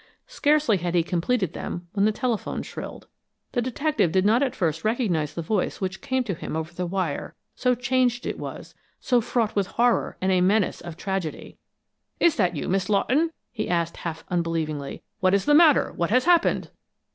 Scarcely had he completed them when the telephone shrilled. The detective did not at first recognize the voice which came to him over the wire, so changed was it, so fraught with horror and a menace of tragedy. "It is you, Miss Lawton?" he asked, half unbelievingly. "What is the matter? What has happened?"